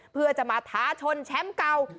เพื่อจะมาท้าชนแชมป์เก่า